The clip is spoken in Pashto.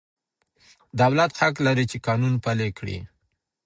دولت حق لري چي قانون پلي کړي.